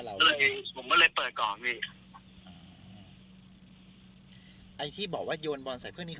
ไอ้ที่บอกว่าโยนฟุตบอลใส่เพื่อนนี้